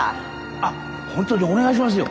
あっ本当にお願いしますよ。